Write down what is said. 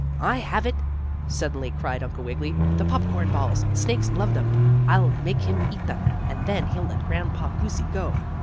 "I have it!" suddenly cried Uncle Wiggily. "The popcorn balls. Snakes love them! I'll make him eat them, and then he'll let Grandpa Goosey go."